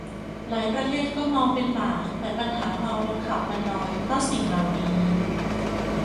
หลายประเทศก็เมาเป็นหมา แต่ปัญหาเมาแล้วขับมันน้อยเพราะสิ่งเหล่านี้